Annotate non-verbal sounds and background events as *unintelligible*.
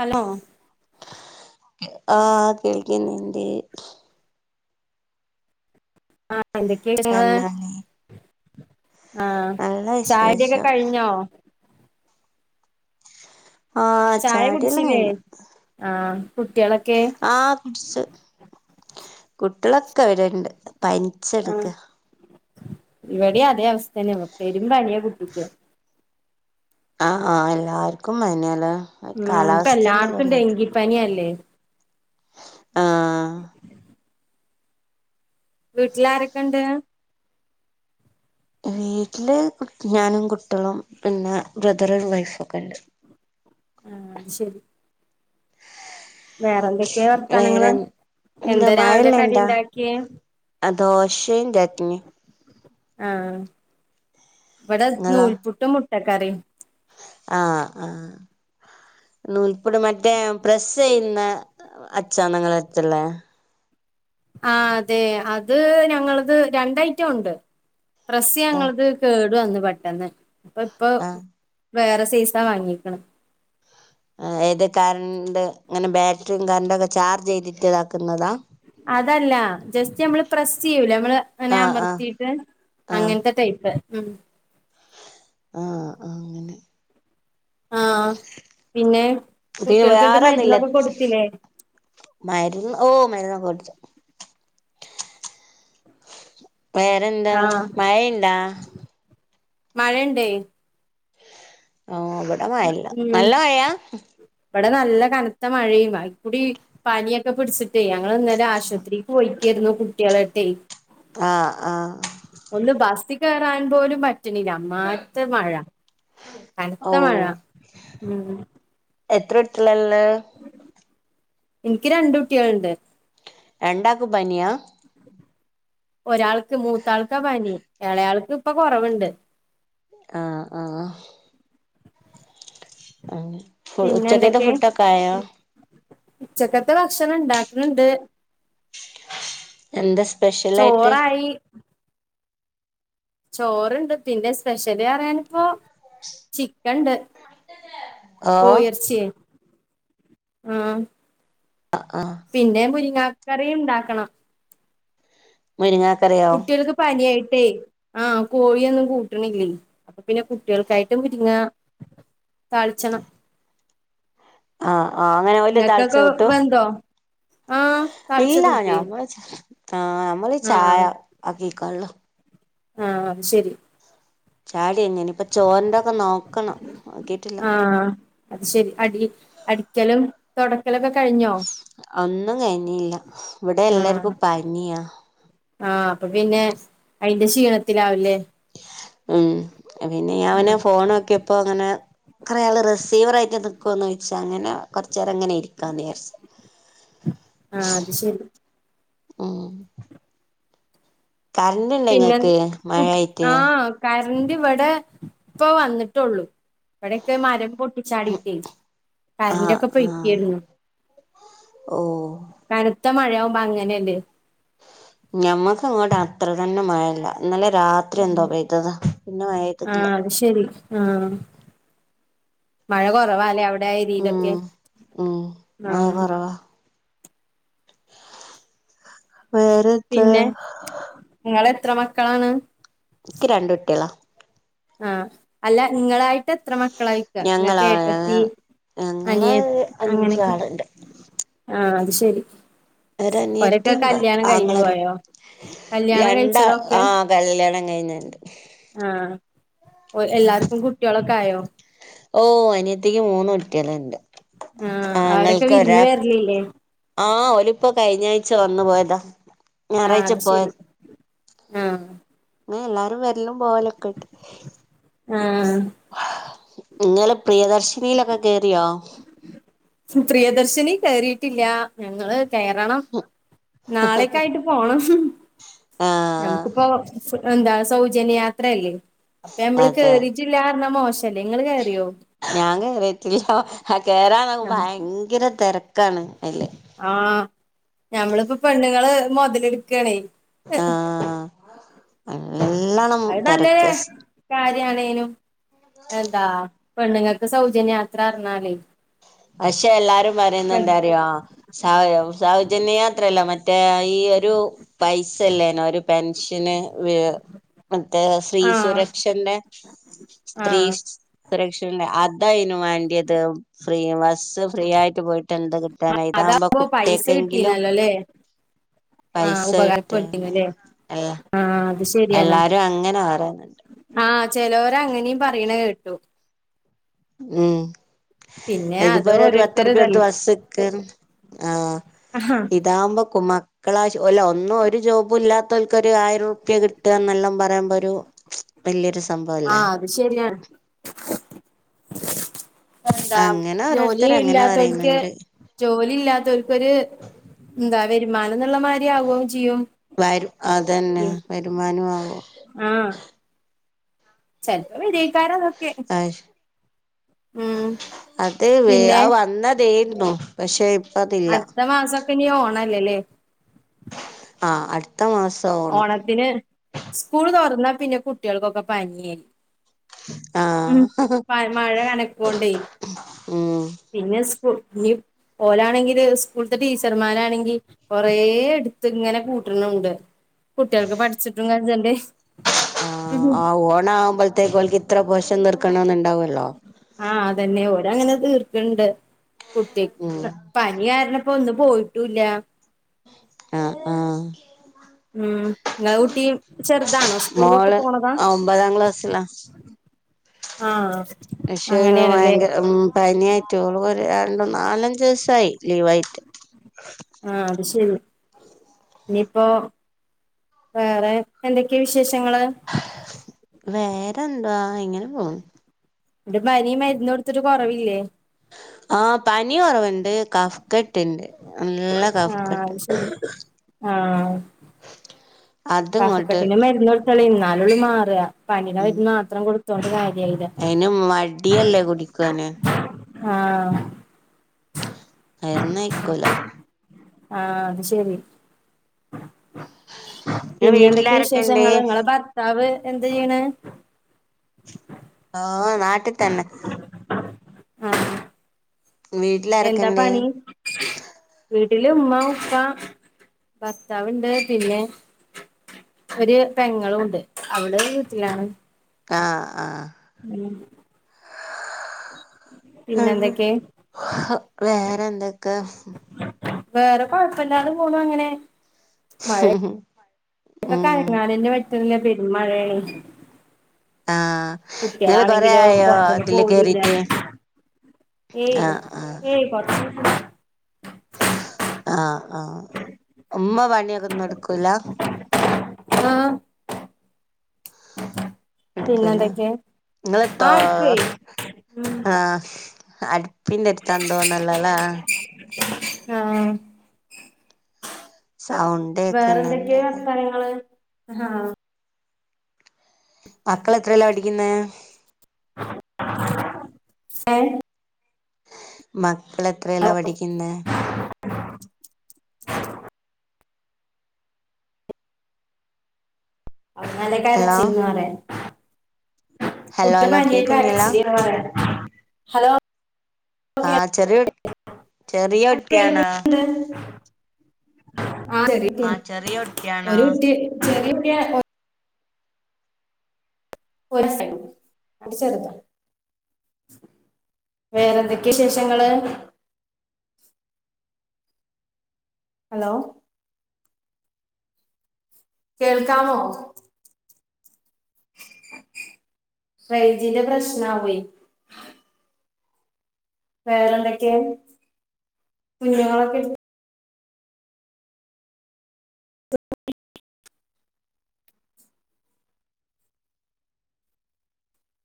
Hello ആഹ് കേൾക്കിന്നിണ്ടി ആഹ് എന്തൊക്കെ വിശേഷങ്ങള് പറഞ്ഞോളി ആഹ് നല്ല ചായുടി ഒക്കെ വിശേഷം കഴിഞ്ഞോ ആഹ് ചായ ചായുടിയെല്ലാം കുടിച്ചില്ലേ കഴിഞ്ഞു ആഹ് കുട്ടിയേളൊക്കെ ആ കുടിച്ച് കുട്ടിയളൊക്കെ ഇവിരെണ്ട് പനിച്ചെടുക്ക ഇവിടിം അതേ അവസ്ഥ തന്നെ പെരും പനിയാ കുട്ടിക്ക് ആഹ് ആഹ് എല്ലാർക്കും പനിയാല്ലേ ഉം ഇപ്പ കാലാവസ്ഥന്റെ എല്ലായിടത്തും ഇതുകൊണ്ടേ ഡെങ്കിപ്പനിയല്ലേ ആഹ് വീട്ടിലാരൊക്കെ ഉണ്ട് വീട്ടില് ഞാനും കുട്ടിയളും പിന്നെ ബ്രദറും വൈഫൊക്കെണ്ട് ആഹ് അത് ശരി വേറെ എന്തൊക്കെയാ വേറെ വർത്താനങ്ങള് എന്താ രാവിലെ മഴയെല്ലാം ഇണ്ടാ കടിണ്ടാക്കിയേ ദോശയും ചട്നിയും ആഹ് വിടെ നിങ്ങളോ നൂൽപുട്ടും മുട്ടക്കറിയും ആഹ് ആഹ് നൂൽപുട്ട് മറ്റേ പ്രസ്സെയ്യുന്ന അച്ചാണോ ഇങ്ങളെ അടുത്തുള്ളെ ആഹ് അതെ അത് ഞങ്ങളത് രണ്ട് ഐറ്റം ഉണ്ട് പ്രസ്സ് ആഹ് ഞങ്ങള്ത് കേടു വന്ന് പെട്ടെന്ന് അപ്പൊ ഇപ്പൊ ആഹ് വേറെ സൈസാ വാങ്ങിക്ക്ണെ ഏത് കറണ്ട് ഇങ്ങനെ ബാറ്ററിയും കറണ്ടൊക്കെ ചാർജ് ചെയ്തിട്ട് ഇതാക്കുന്നതാ അതല്ല ജസ്റ്റ് നമ്മള് പ്രസ്സ് ചെയ്യൂലെ നമ്മള് ഇങ്ങനെ ആഹ് ആഹ് അമർത്തിയിട്ട് അങ്ങനത്തെ ടൈപ്പ് ഉം ആഹ് അങ്ങനെ ആഹ പിന്നെ പിന്നെ കുട്ടികൾക്ക്ട്ട് വേറെന്നുല്ല മരുന്നൊക്കെ കൊടുത്തില്ലേ? മരുന്ന് ഓ മരുന്നൊക്കെ കൊടുത്തു. വേറെന്താ ആഹ് മഴയിണ്ടാ? മഴയ്ണ്ടെ. ഓ ഇവടെ മഴ ഇല്ല. നല്ല മഴയാ? ഇവടെ നല്ല കനത്ത മഴയും അയ്ക്കൂടി പനിയൊക്കെ പിടിച്ചി ഞങ്ങൾ ഇന്നലെ ആശുപത്രിക്ക് പോയിക്കായിരുന്നു കുട്ട്യാളെയിറ്റ്. ആഹ ആഹ ഒന്ന് ബസിൽ കയറാൻ പോലും പറ്റണില്ല അമ്മായിരത്തെ മഴ ക ഓ കനത്ത മഴ. മ് എത്ര കുട്ട്ളള്ളത് എനിക്ക് രണ്ട കുട്ടികളുണ്ട്. രണ്ടാക്കും പനിയാ? ഒരാൾക്ക് മൂത്താൾക്കാ പനി. ഏളയാൾക്ക് ഇപ്പൊ കൊറവ്ണ്ട്. ആഹ ആഹ അ *unintelligible* പിന്നെ എന്തൊക്കെ? ഉച്ചക്കത്തെ ഭക്ഷണം ഇണ്ടാക്ക്ണ്ട്. എന്താ സ്പെഷ്യലായിട്ട്? *unintelligible* ചോറുണ്ട്. പിന്നെ സ്പെഷ്യൽ പറയാനിപ്പോ ചിക്കൻ ഇണ്ട്. ഓ കോഴിറച്ചി. ആഹ ആ ആ പിന്നെ മുരിങ്ങകറിയും ഉണ്ടാക്കണം. മുരിങ്ങാ കറിയോ? കുട്ടികൾക്ക് പനിയായിട്ടേ ആഹ കോഴിയൊന്നും കൂട്ടിണില്ലേ. അപ്പൊ പിന്നെ കുട്ടികൾക്കായിട്ടും മുരിങ്ങാ താളിച്ചണം. ആഹ് ആഹ് അങ്ങനെ ഓല് താളിച്ചേ നിങ്ങക്കൊക്കെ കൂട്ടും? വെന്തോ ആഹ് ഇല്ല. താളിച്ചത് കൂട്ടിയോ ഞമ്മൾ ആ ഞമ്മള് ചായ ആഹ് ആക്കികാളാ. ആഹ അത് ശെരി. ചായടി കയിഞ്ഞു ഇനിപ്പോ ചോറിന്റെ ഒകെ നോക്കണം നോക്കിട്ടില്ല. ആ അത് ശെരി അടി അടിക്കലും തൊട ഒകെ കഴിഞ്ഞോ? ഒന്നും കഴിഞ്ഞില്ല. ഇവടെ എല്ലാർക്കും പനിയാ. ആഹ അപ്പൊ പിന്നെ അയ്‌ന്റെ ക്ഷീണത്തിലാവുല്ലെ? ഉം പിന്നെ ഞാനാ ആഹ് ഫോൺ നോക്കിയപ്പോ ഇങ്ങനെ കൊറെ ആള് റിസീവർ ആയിട്ട് നിക്കൊന്നു ചോയ്ച്ചു. അങ്ങനെ കൊറച്ചേരം ഇങ്ങനെ ഇരിക്കാന്ന് വിചാരിച്. ആഹ അത് ശെരി. ഉം കറണ്ട് ഇണ്ട പിന്നെ ഇങ്ങക്ക് മഴായിട്ട് ആഹ കരണ്ട് ഇവടെ ഇപ്പൊ വന്നിട്ടൊള്ളൂ. ഇവിടൊക്കെ മരം പൊട്ടിചാടിട്ട് കറണ്ട് ആഹ് ഒക്കെ ആഹ് പൊയിക്കായിരുന്നു. ഓ കനത്ത മഴയാവുമ്പോ അങ്ങനെയല്ലേ? ഞമ്മക്ക് ഇങ്ങോട്ട് അത്ര തന്നെ മഴ ഇല്ല. ഇന്നലെ രാത്രി എന്തോ പെയ്തതാ പിന്നെ മഴ പെയ്തിട്ടില്ല. അഹ് ശെരി. ആഹ മഴ കുറവാലേ അവിടെ ഉം എരിലൊക്കെ? ഉം ആഹ വേറെ പിന്നെ നിങ്ങള് എത്ര മക്കളാണ്? എനിക്ക് രണ്ട കുട്ടിളാ ആഹ് അല്ല ഇങ്ങളായിട്ട് എത്ര മക്കളായിക്ക ഇങ്ങക്ക് ഞങ്ങളാ ഞങ്ങ ഏട്ത്തി ഞങ്ങള് അനിയത് അങ്ങനെയൊക്കെ അഞ്ചാളുണ്ട് ആഹ അത് ശരി. ഒരൊക്കെ ഒരനിയത്തിയും കല്യാണം കഴിഞ്ഞു ആങ്ങളാരും പോയോ കല്യാണം രണ്ടാ കഴിച്ചതൊക്കെ? ആ കല്യാണം കഴിഞ്ഞതാ എന്റെ ആഹ് ഓ എല്ലാർക്കും കുട്ടികളൊക്കെ ആയോ ഓ അനിയത്തിക്ക് മൂന്ന് കുട്ടികള് ഇണ്ട് ആഹ് അവരൊക്കെ ആങ്ങളക്ക് ഒരാൾക്ക് *unintelligible* ആഹ് ഓലിപ്പോ കഴിഞ്ഞ ആഴ്ച വന്നു പോയതാ ആഹ് ഞായറാഴ്ച അത് ശരി പോയത് ആഹ് എല്ലാരും വരലും പോകലൊക്കെ ഇണ്ട് ആഹ് ഇങ്ങള് പ്രിയദർശിനിലൊക്കെ കേറിയോ പ്രിയദർശിനി കേറീട്ടില്ല ഞങ്ങള് കയറണം നാളേയൊക്കെ ആയിട്ട് പോണം ആ നമുക്കിപ്പോ എന്താ സൗജന്യയാത്രയല്ലേ അപ്പൊ നമ്മള് അതെ കേറീ ട്ടില്ലാന്ന് പറഞ്ഞാ മോശല്ലേ നിങ്ങള് കേറിയോ ഞാൻ കേറിട്ടില്ല ആ കേറാൻ നോക്കുമ്പം ഭയങ്കര തെരക്കാണ് അതില് ആഹ് ഞമ്മളിപ്പോ പെണ്ണുങ്ങള് മുതലെടുക്കാണേ നല്ല അത് നല്ലൊരു കാര്യാണേനു എന്താ പെണ്ണുങ്ങൾക്ക് സൗജന്യ യാത്ര പറഞ്ഞാലേ പക്ഷേ എല്ലാരും പറയുന്നത് എന്താ അറിയോ സൗ സൗജന്യ യാത്രയല്ല മ റ്റേ ഈ ഒരു പൈസ ഇല്ലേനോ ഒരു പെൻഷന് മറ്റേ സ്ത്രീ ആഹ് സുരക്ഷന്റെ സ്ത്രീ ആഹ് സുരക്ഷയില്ലേ അതാന് വേണ്ടിയത് ബസ് ഫ്രീ ബസ്സ് ഫ്രീ ആയിട്ട് പോയി ട്ട് എന്ത് കിട്ടാന ഇതാകുമ്പോ അതാവുമ്പോ പൈസ കുട്ടികക്കെങ്കിലും കിട്ടീന്നല്ലോല്ലേ ആഹ് പൈസ കിട്ടിയേനെ ഉപകാരപ്പെട്ടിന്നല്ലേ അല്ലേ ആഹ് അത് ശരിയാണ് പറയുന്നുണ്ട് ആഹ് ചെലോര് അങ്ങനെയും പറയണ കേട്ടു ഉം പിന്നെ അത് ഇതിപ്പോ ഒരു പത്ത് ഓരോരുത്തര് റുപ്യ കൊടുത്ത് ഇതല്ലേ ബസിൽ കേറും ആഹ് ആഹ് ഇതാവുമ്പ കുമാ ക്കളാ അല്ല ഒന്നും ഒരു ജോബും ഇല്ലാത്തവർക്ക് ഒരു ആയിരം റുപ്യ കിട്ടുക എന്നെല്ലാം പറയുമ്പോ ഒരു ആ *inaudible* വല്ല്യൊരു സംഭവവല്ലെ അത് ശരിയാണ് എന്താ അങ്ങനെ ജോലി ഓരോരുത്തർ അങ്ങനെ ഇല്ലാത്തോൽക്ക് പറയുന്നുണ്ട് ജോലി ഇല്ലാത്തോൽക്കൊരു എന്താ വരുമാനം എന്നുള്ള മാ വരു അതന്നെ വരുമാനും ആകും ആഹ് ചെലപ്പം വരാക്കാരം ആഹ് അത് പിന്നെ ആ വന്നതേരുന്നു പക്ഷെ ഇപ്പ അതില്ല അടുത്ത മാസവൊക്കെ ഇനി ഓണം അല്ലേ അല്ലേ? ആഹ് അടുത്ത മാസം ഓണം ഓണത്തിന് സ്കൂള് തൊറന്നാ പിന്നെ കുട്ടികൾക്കൊക്കെ പനിയായി ഉം ആഹ് മഴ കനകോണ്ടേ ഉം പിന്നെ ഇസ്‌ക്കും. ഞ്ഞി ഓലാണെങ്കില് സ്കൂൾത്തെ ടീച്ചർമാരാണെങ്കി കൊറേ ട്ത്ത്ങ്ങനെ കൂട്ട്ണുണ്ട്. കുട്ടികൾക്ക് പഠിച്ചിട്ടും കജ്ജ *unintelligible* ണ്ടേ ആഹ് ആ ഓണാവുമ്പൾത്തേക്ക് ഓൽക്ക് ഇത്ര പോഷൻ തീർക്കണന്നുണ്ടാവല്ലോ ആഹ് അതന്നെ ഓരങ്ങനെ തീർക്ക്ണ്ട് കുട്ടി ഉം *unintelligible* പനി കാരണപ്പോ ഇന്ന് പോയിട്ടൂല്ല. ആഹ് ആഹ് ഉം ഇങ്ങളെ കുട്ടി ചെറുതാണോ സ്കൂൾക്കൊക്കെ മോള് പോണതാ ആഹ് ഒമ്പതാം ക്ലാസ്സിലാ ആഹ് പക്ഷേ *unintelligible* അങ്ങനെയാണല്ലേ ഭയങ്കരം. ഉം പനിയായിട്ട് ഓള് ഒര് രണ്ടും നാലഞ്ച് ദിവസായി ലീവായിട്ട്. ആഹ് അത് ശരി ഇനിയിപ്പോ വേറെ എന്തൊക്കെയാ വിശേഷങ്ങള്? വേറെന്തോ ഇങ്ങനെ പോകുന്നു. ന്നിട്ട് പനി മരുന്ന് കൊടുത്തിട്ട് കൊറവില്ലേ? ആഹ്, പനി കൊറവ്ണ്ട് കഫ്കെട്ട് ട്ടിന്റെ നല്ല കഫ ആഹ് കെട്ട് അത് ശരി ആഹ് അത് ഇങ്ങോട്ട് *unintelligible* ന്നാലുള്ളും മാറുക. പനിന്റെ മരുന്ന്മാത്രം കൊടുത്തോണ്ട് കാര്യായില്ല. അയിന് മടിയല്ലേ കുടിക്കാന് ആഹ്. ആയ്നൊന്നും അയ്ക്കൂല. ആഹ്, അത് ശരി പിന്നെ എന്തോക്കയാ വിശേഷങ്ങള് ഇങ്ങളെ ഭർത്താവ് എന്താ ചെയ്യ്ണേ ആഹ്, നാട്ടി തന്നെ വീട്ടിലാരൊക്കെണ്ട് എന്താപണി വീട്ടില് ഉമ്മാ ഉപ്പാ ഭർത്താവ്ണ്ട് പിന്നെ ഒര് പെങ്ങളൂണ്ട് അവള് വീട്ടിലാണ് ആഹ് ആഹ് ഉം പിന്നെ എന്തൊക്കെ വേറെന്തൊക്കെ? വേറെ കൊഴപ്പല്ലാതെ പോണു അങ്ങനെ ഹ ഇപ്പൊക്കെ കറങ്ങാനെന്നെ പറ്റ്ണില്ല പെരുംമഴയാണ് ആഹ് ഇങ്ങൾ കൊറെ കുട്ടികളാണെങ്കിലോ ആയോ പുറത്തൊന്നും ഇതില് പോവലില്ല കേറീട്ട് ഏയ് ആഹ് ആഹ് *unintelligible* ആഹ്, ആഹ് ഉമ്മ പണിയൊക്കെ ഒന്നും എട്ക്കൂലാ. ആഹ് എടുക്കല്ല, പിന്നെന്തൊക്കെ നിങ്ങെ താ ആഹ് എടുക്കുവേ ആഹ്, അടി പിന്നെട് തന്തോന്നല്ലല്ലെ ആഹ് സൗണ്ട് വേറെ കേക്കുന്നുണ്ട് എന്തെക്കെ വർത്താനങ്ങള് അഹ് അഹ് ആഹ് മക്കളെത്രയിലാ പഠിക്കുന്നെ? ഏഹ്. മക്കളെത്രയില പഠിയ്ക്കുന്നെ? ഉ *inaudible* അത് നാണ് ഹലോ കരച്ചീൽന്ന് പറയാ ഹലോ കുട്ടി ഹലോ ഭയങ്കര കേക്കുന്നില്ല കരച്ചില് ഏനി പറയാ ഹലോ ആഹ് ചെറിയ കു ചെറിയ കുട്ടിയണാ *inaudible* ആ ചെറിയ കുട്ടിയാ ആഹ് ചെറിയ കുട്ടിയാണോ ഒരു കുട്ടി ചെറിയ കുട്ടിയാ ഒര സയ്ടു അത് ചെറുതാ വേറെന്തൊക്കെയാ വിശേഷങ്ങള് ഹലോ കേൾക്കാമോ റെയിഞ്ചിന്റെ പ്രശ്നാവുവേ വേറെന്തൊക്കെയാ കുഞ്ഞുങ്ങളൊക്കെ